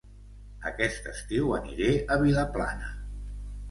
Aquest estiu aniré a Vilaplana